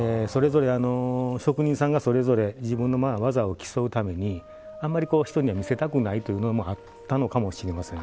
職人さんが、それぞれ自分の技を競うようにあんまり人には見せたくないっていうのもあったのかもしれません。